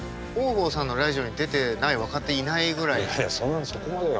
いやいやそんなそこまでは。